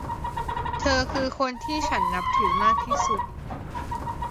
เธอคือคนที่ฉันนับถือมากที่สุด